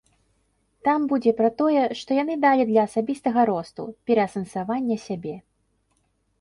Там будзе пра тое, што яны далі для асабістага росту, пераасэнсавання сябе.